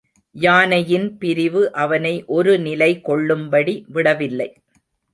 யானையின் பிரிவு அவனை ஒரு நிலை கொள்ளும்படி விடவில்லை.